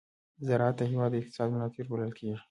زراعت د هېواد د اقتصاد ملا تېر بلل کېږي.